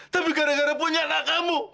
tapi gara gara punya anak kamu